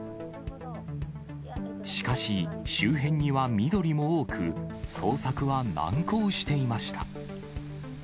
しかし、周辺には緑も多く、捜索は難航していました。